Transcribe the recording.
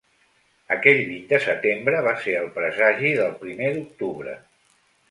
Aquell vint de setembre va ser el presagi del primer d’octubre.